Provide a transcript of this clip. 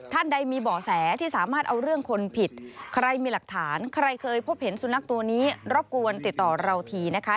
ท่านใดมีเบาะแสที่สามารถเอาเรื่องคนผิดใครมีหลักฐานใครเคยพบเห็นสุนัขตัวนี้รบกวนติดต่อเราทีนะคะ